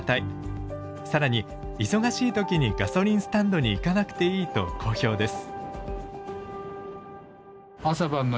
更に忙しい時にガソリンスタンドに行かなくていいと好評です。